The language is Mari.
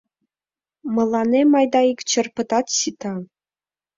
Мыланем айда ик черпытат сита.